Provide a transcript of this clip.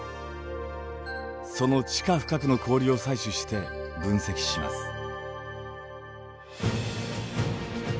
その地下深くの氷を採取して分析します。